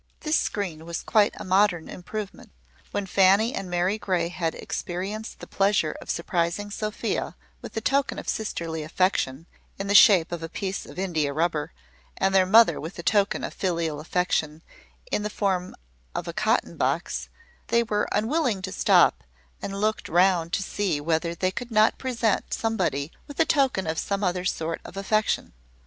This screen was quite a modern improvement. When Fanny and Mary Grey had experienced the pleasure of surprising Sophia with a token of sisterly affection, in the shape of a piece of India rubber, and their mother with a token of filial affection, in the form of a cotton box, they were unwilling to stop, and looked round to see whether they could not present somebody with a token of some other sort of affection.